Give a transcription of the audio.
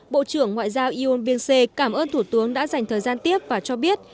bộ trưởng ngoại giao yon byung se cảm ơn thủ tướng đã dành thời gian tiếp và cho biết